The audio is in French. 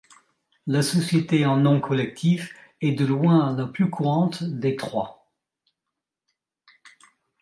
La société en nom collectif est de loin la plus courante des trois.